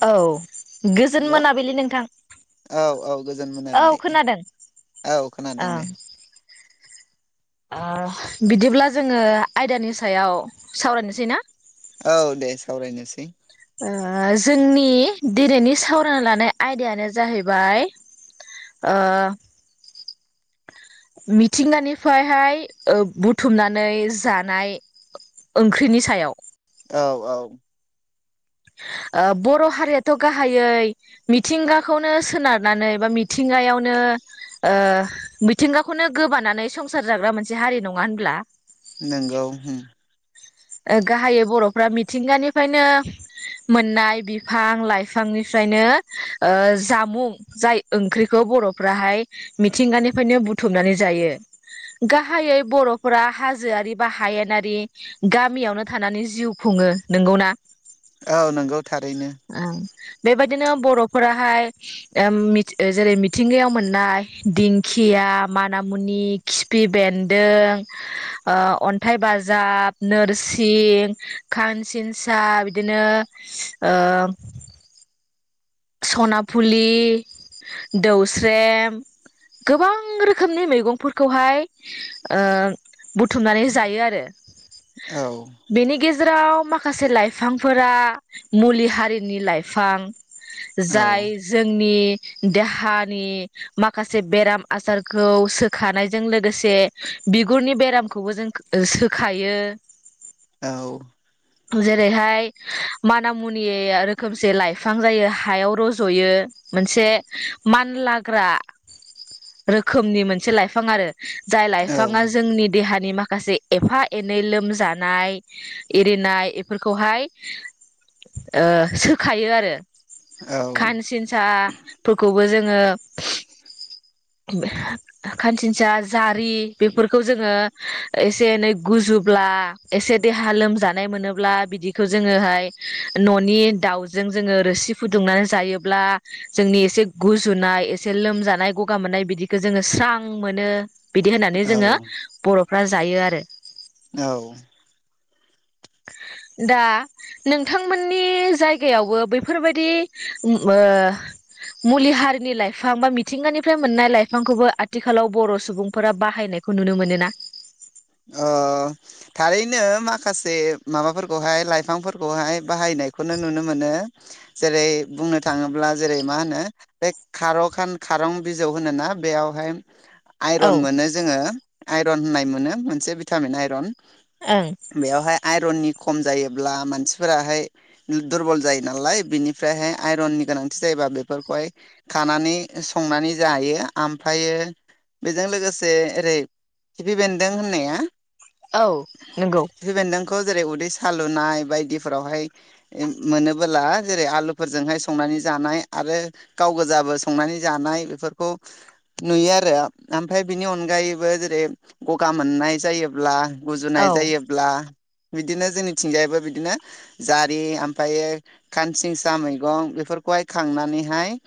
औ गोजोन हेल' मोनाबिलि नोंथां औ औ गोजोन औ मोनाबिलि खोनादों औ खोनादों ओं दे। ओ बिदिब्ला जोङो आयदानि सायाव सावरायनोसै ना? औ दे सावरायनोसै। ओ जोंनि दिनैनि सावरायना लानाय आयदायानो जाहैबाय ओ मिथिंगानिफ्रायहाय बुथुमनानै जानाय ओंख्रिनि सायाव। औ औ ओ बर' हारियाथ' गाहायै मिथिंगाखौनो सोनारनानै बा मिथिंगायावनो ओ मिथिंगाखौनो गोबानानै संसार जाग्रा मोनसे हारि नङा होनब्ला? नंगौ उम गाहायै बर'फ्रा मिथिंगानिफ्रायनो मोननाय बिफां लाइफांनिफ्रायनो ओ जामुं जाय ओंख्रिखौ बर'फ्राहाय मिथिंगानिफ्रायनो बुथुमनानै जायो। गाहायै बर'फोरा हाजोआरि बा हायेनारि गामियावनो थानानै जिउ खुङो नंगौना? औ नोंगौ थारैनो। ओं बेबायदिनो बर'फोराहाय ओम जेरै मिथिंगायाव मोननाय दिंखिया मानामुनि खिफि बेन्दों ओ अन्थाइ बाजाब नोरसिं खानसिनसा बिदिनो ओ सनाफुलि दौस्रेम गोबां रोखोमनि मैगंफोरखौहाय बुथुमनानै जायो आरो। औ बेनि गेजेराव माखासे लाइफांफोरा मुलि हारिनि लाइफां। औ जाय जोंनि देहानि माखासे बेराम आजारखौ सोखानायजों लोगोसे बिगुरनि बेरामखौबो जों सोखायो। औ जेरैहाय माना मुनि रोखोमसे लाइफां फां जायो हायाव रज'यो मोनसे मानलाग्रा रोखोमनि मोनसे लाइफां आरो। जाय औ लाइफाङा जोंनि देहा नि माखासे एफा एनै लोमजानाय एरिनाय बेफोरखौहाय ओ सोखायो आरो। औ खानसिनसा फोरखौबो जों ओ खानसिनसा जारि बेफोरखौ जोङो एसे एनै गुजुब्ला एसे देहा लोमजानाय मोनोब्ला बिदिखौ जोङोहाय न'नि दावजों जोङो रोसि फुदुंनानै जायोब्ला जोंनि एसे गुजुनाय एसे लोमजानाय गगा मोननाय बिदिखौ जोङो स्रां मोनो। बिदि होननानै औ जोङो बर' फ्रा जायो आरो। औ। दा नोंथांमोननि जायगायावबो बै बेफोरबायादि ओ मुलि हारिनि लाइफां बा मिथिंगानिफ्राय मोननाय लाइफांखौबो आथिखालाव बर' सुबुंफोरा बाहायनायखौ नुनो मोनो ना? अ थारैनो माखासे माबाफोरखौहाय लाइफांफोरखौहाय बाहायनायखौनो नुनो मोनो जेरै बुंनो थाङोब्ला जेरै मा होनो बे खार खान खारं बिजौ होनोना बेयावहाय औ आइरन मोनो जोङो। आइरन होननाय मोनो। मोनसे भिटामिन आइरन ओं । बेवहाय आइ आइरननि खम जायोब्ला मानसिफोराहाय दुरबल जायो नालाय बिनिफ्राय हाय आइरननि गोनांथि जायोबा बेफोरखौहाय खानानै संनानै जायो बेजों लोगोसे ओरै खिफि बेनदों होननाया औ नंगौ। खौ जेरै उदै सालुनाय बायदिफोरावहाय मोनोबोला जेरै आलुफोरजोंहाय संनानै जानाय आरो गाव गोजाबो संनानै जानाय बेफोरखौ नुयो आरो ओमफ्राय बिनि अनगायैबो जेरै गगा मोननाय जायोब्ला औ गुजुनाय जायोब्ला बिदिनो जोंनिथिंजायबो बिदिनो जारि ओमफ्राय खानसिंसा मैगं बेफोरखौहाय खांनानैहाय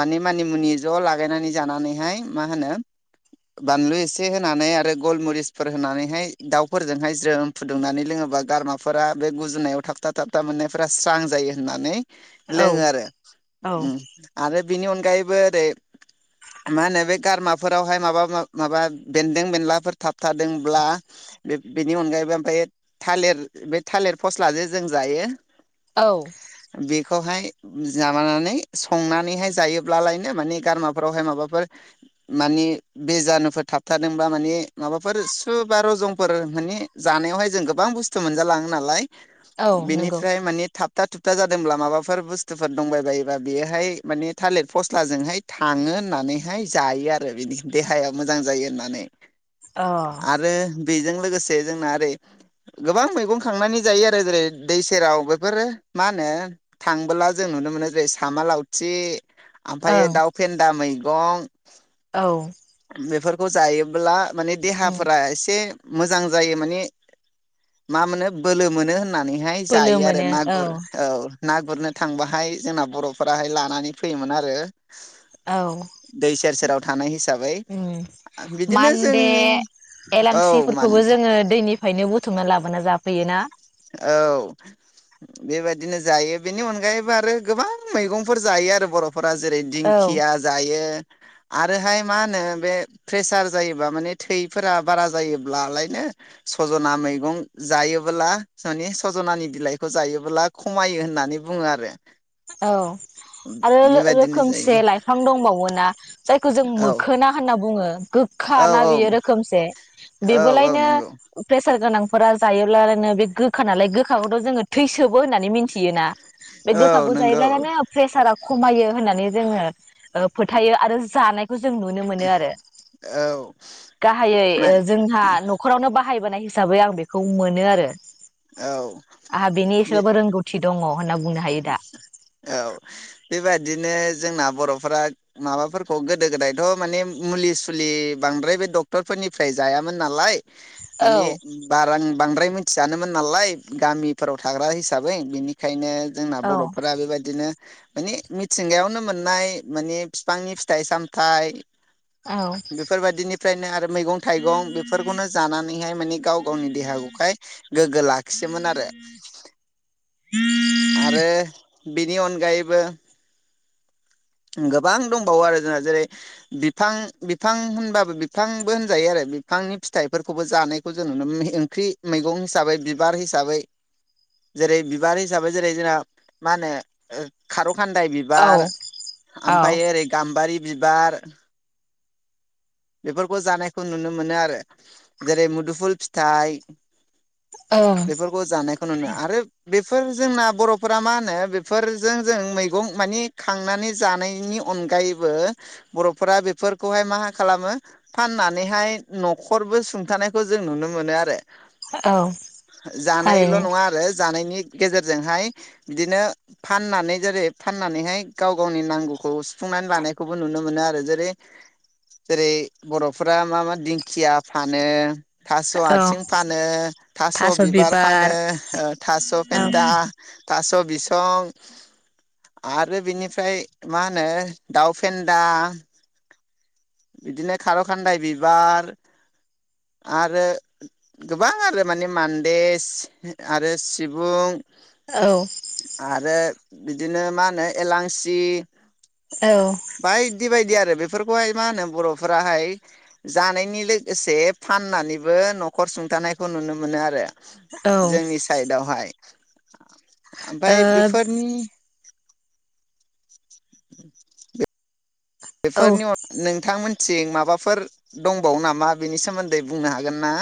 माने मुनि मुनि ज लागायनानै जानानैहाय मा होनो बानलु एसे होनानै आरो गलमुरिसफोर होनानैहाय दाउफोरजोंहाय ज्रोम फुदुंनानै लोङोबा गारमाफोरा बे गुजुनायाव थाबथा थाबथा मोननायफोरा स्रां जायो होननानै औ लोङो आरो आरो औ उम आरो बिनि अनगायैबो ओरै मा होनो बे गारमाफोरावहाय माबा माबा बेन्दों बेनलाफोर थाबथादोंब्ला बे बेनि अनगायैबो ओमफ्राय थालिर बे थालिर फस्लाजों जों जायो औ। बेखौहाय माबानानै संनानैहाय जायोब्लालायनो माने गारामाफोरावहाय माबाफोर माने बेजानुफोर थाबथादोंबा माने माबाफोर सुबा रजंफोर माने जानायावहाय जों गोबां बुस्थु मोनजालाङो नालाय औ नंगौ बिनिफ्राय माने थाब थोबथा थुबथा जादोंब्ला माबाफोर बुस्थुफोर दंबाय बायोबा बेयोहाय माने थालिर फस्लाजोंहाय थाङो होननानैहाय जायो आरो बिनि देहाया मोजां जायो होननानै। अ आरो बेजों लोगोसे जोंना ओरै गोबां मैगं खांनानै जायो आरो जेरै दै सेराव बेफोरो मा होनो थांबोला जों नुनो मोनो जेरै सामा लावथि ओमफ्रायायो ओं दाउ फेनदा मै दं औ बेफोरखौ जायोब्ला। माने उम देहाफोरा एसे मोजां जायो माने मा मोनो बोलो मोनो होन नानैहाय बोलो जायो आरो मोनो नागुर औ ना गुरनो थांबाहाय जोंना बर'फोराहाय लानानै फैयोमोन आरो। औ दै सेर सेराव थानाय हिसाबै बिदिनो। बे जोंनि औ मान एलांसिफोरखौबो जोङो दैनिफ्रायनो। बुथुमना लाबोना जाफैयोना? औ बेबायदिनो जायो बेनि अनगायैबो आरो गोबां मैगंफोर जायो आरो बर' फोरा औ जेरै-दिंखिया जायो। आरोहाय मा होनो बे प्रेसार जायोबा माने थैफोरा बारा जायोब्लालायनो सजना मैगं जायोबोला। माने सजनानि बिलाइखौ जायोबोब्ला खमायो होननानै बुङो आरो। औ आरो बेबायदिनो जायो रोखोमसे लाइफां दंबावोना? जायखौ जों औ मोखोना होनना बुङो। औ गोखा ना बेयो रोखोमसे औ औ बेबोलायनो नंगौ फेसार गोनांफोरा जायोब्लायनो बे गोखा नालाय गोखाखौथ' जोङो थै सोबो होननानै मिथियोना? बेखौ औ खाखौ नंगौ जायोब्लायनो माने प्रेसारा खमायो होननानै जोङो ओ-फोथायो आरो जानाय खौ जों नुनो मोनो आरो औ गाहायै मान जोंहा ओ- न'खरावनो बाहायबोनाय हि हिसाबै आं बेखौ मोनो आरो। औ आंहा बेनि बे एसेबाबो रोंगौथि दङ। होनना बुंनो हायो दा औ बेबायादिनो जोंना बर'फोरा माबाफोरखौ गोदो गोदायथ' माने मुलि-सुलि बांद्राय बे डक्टरफोरनिफ्राय जायामोन नालाय। माने औ बारां बांद्राय मिथियानोमोन नालाय गामिफोराव थाग्रा हिसाबै बिनिखायनो। जोंना औ बर'फोरा बेबायदिनो माने मिथिंगायावनो मोननाय माने बिफांनि फिथाइ- सामथाइ। बेफोरबायदिनि। फ्रायनो आरो मैगं-थाइगं बेफोरखौनो जानानैहाय माने गाव गावनि देहाखौहाय गोग्गो लाखियोमोन आरो। आरो बिनि अनगायैबो। गोबां दंबावो आरो जोंहा जेरै बिफां-बिफां होनबाबो बिफांबो होनजायो आरो बिफांनि फिथाइफोरखौबो जानायखौ जों नुनो मोनो ओंख्रि मैगं हिसाबै बिबार हिसाबै जेरै बिबार हिसाबै जेरै जोंना मा होनो खार' खानदाय औ बिबार। औ ओमफ्राय ओरै गाम्बारि बारि बिबार बेफोरखौ जानायखौ नुनो मोनो आरो जेरै मुदुफुल फिथाइ। ओं बेफोरखौ जानायखौ नुनो आरो बेफोर जोंना बर'फोरा मा होनो बेफोरजों जों मैगं मानि खांनानै। जानायनि अनगायैबो बर'फोरा बेफोरखौहाय मा खालामो फाननानैहाय न'खरबो सुंथानायखौ जों नुनो मोनो आरो। औ जानायल' थारैनो नङा आरो जानायनि गेजेरजोंहाय बिदिनो फाननानै जेरै फाननानैहाय गाव गावनि नांगौखौ सुफुंनानै लानायखौबो नुनो मोनो आरो जेरै-जेरै बर'फोरा मा मा दिंखिया फानो। थास' औ आथिं फानो थास' बिबार फानो थास' औ फेन्था। थास' बिसं आरो बिनि फ्राय मा होनो दाउ फेन्दा। बिदिनो खार' खान्दाय बिबार आरो गोबां आरो माने मान्देस आरो सिबुं। औ आरो। बिदिनो मा होनो एलांसि। औ बायदि बायदि आरो बे फोरखौहाय। मा होनो बर'फोराहाय जानायनि लोगोसे फाननानैबो न'खर सुंथानायखौ नुनो मोनो आरो। ओ जोंनि साइदावहाय। ओमफाय औ बेफोरनि [inaudible] बेफोरनि अन नोंथांमोन थिं माबाफोर दंबावो नामा बेनि सोमोन्दै बुंनो हागोन ना?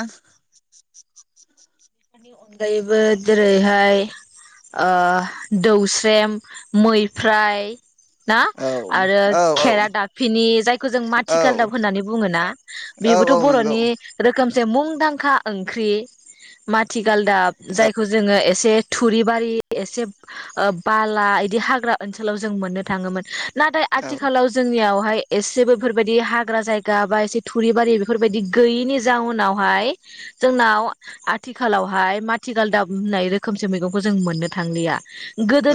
बिफोरनि अनगायैबो जेरैहाय ओ दौस्रेम, मैफ्राय। ना औ आरो औ औ खेरा दाफिनि जायखौ जों औ माथि गालदाब होन्नानै बुङो ना औ औ बेबोथ' नंगौ बर'नि रोखोम जे मुंदांखा ओंख्रि। माथि गालदाब औ जायखौ जोङो एसे थुरिबारि एसे ओ बाला इदि हाग्रा ओनसोलाव जों मोननो थाङोमोन। नाथाय औ आथिखालाव जोंनियाव हाय एसे बेफोरबायदि हाग्रा जायगा बा एसे थुराबारि बेफोरबायदि गैयैनि जाउनावहाय जोंनाव थिखालावहाय माथि गालदाब होननाय रोखोमसे मैगंखौ जों मोननो थांलिया।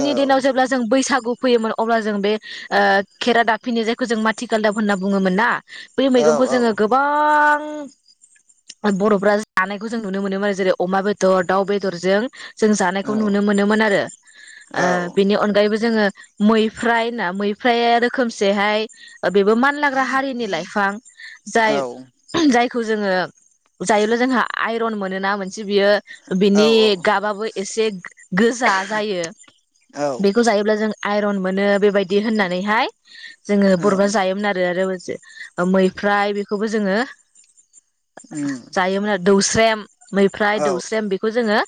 औ दिनाव औ जेब्ला जों बैसागु फैयोमोन अब्ला जों बे ओ खेरा दाफिनि जायखौ जों माथिगाल दाब होनना बुङोमोन ना बे औ मैगंखौ जोङो गोबां बर'फ्रा जानायखौ जों नुनो मोनोमोन। जेरै अमा बेदर दाउ बेदरजों जों जानायखौ नुनो मोनोमोन आरो ओ बिनि अनगायैबो जोङो मैफ्राय ना मैफ्रायाया रोखोमसेहाय ओ बेबो मानलाग्रा हारिनि लाइफां जाय जाय खौ जोङो जायोब्ला जोंहा आइरन मोन नोना मोन से बियो बिनि गाबाबो एसे गोजा जायो। औ बेखौ जायोब्ला जों आइरन मोनो बेबायदि होननानैहाय जोङो औ बर'फ्रा जायोमोन आरो आरो मोनसे ओ मैफ्राय बेखौबो जोङो उम। जायोमोन आरो दौस्रेम मैफ्राय औ दौस्रेम बेखौ जोङो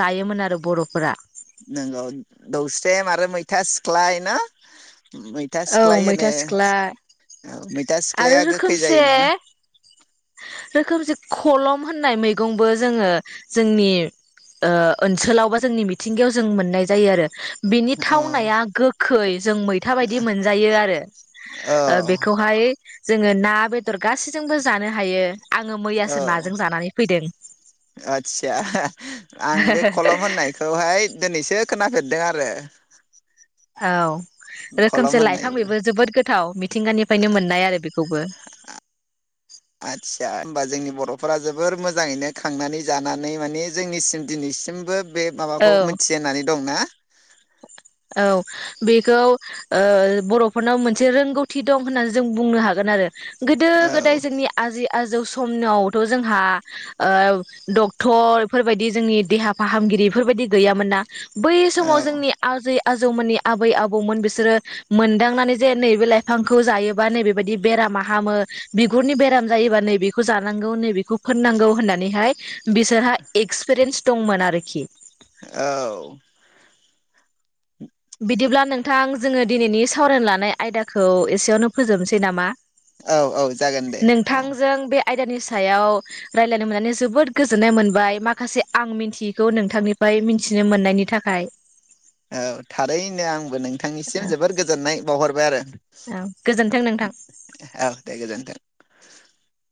जायोमोन आरो बर' फोरा। नोंगौ दौस्रेम आरो मैथा सिख्लाय ना। मैथा औ सिख्लाय होनो मैथा सिख्ला औै। आरो रोखोमसे रोखोमसे खलम होननाय मैगंबो जोङो जोंनि ओ ओनसोलाव बा जोंनि मिथिंगायाव जों मोननाय जायो आरो। बिनि अ थावनाया गोखै जों मैथा बायदि मोनजायो आरो औ ओ बेखौहाय जोङो ना बेदर गासैजोंबो जानो हा हायो। औ फैदों आदसा आं बे खलम होननायखौहाय दिनैसो खोनाफेरदों आरो। औ। खलम रोखोमसे होननाय लाइफां बेबो जोबोद गोथाव मिथिंगानिफ्रायनो मोननाय आरो बेखौबो। होनबा जोंनि बर'फोरा जोबोर मोजाङैनो खांनानै जानानै माने जोंनिसिम दिनैसिमबो बे माबाखौ औ मिथि होननानै दंना। औ बेखौ ओ बर'फोरनाव मोनसे रोंगौथि दं होननानै जों बुंनो हागोन आरो। गोदो औ गोदाय जोंनि आजै आजौ समनावथ' जोंहा ओ डक्टर बेफोरबायदि जोंनि देहा फाहामगिरि बेफोरबायदि गैयामोन ना। बै औ समाव जोंनि आजै आजौमोननि आबै आबौमोन बिसोरो मोनदांनानै जे नैबे लाइफांखौ जायोबा नैबेबायाददि बेरामा हामो बिगुरनि बेराम जायोबा नैबेखौ जानांगौ नैबेखौ फोननांगौ होननानैहाय बिसोरहा एक्सपिरियेन्स दंमोन आरोखि। औ। बिदिब्ला नोंथां जोङो दिनैनि सावरायनो लानाय आयदाखौ एसेयावनो फोजोबनोसै नामा? औ औ जागोन दे औ। नोंथांजों बे आयदानि सायाव रायलायनो मोननानै जोबोद गोजोननाय मोनबाय माखासे आं मिन्थियैखौ नोंथांनिफ्राय मिथिनो मोननायनि थाखाय। औ थारैनो आं बो नोंथांनिसिम जोबोर गोजोननाय बावहरबाय आरो। औ गोजोनथों नोंथां। औ दे [inaudible]